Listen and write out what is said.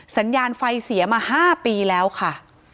สัญญาณไฟเสียมา๕ปีแล้วค่ะ